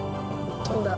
飛んだ。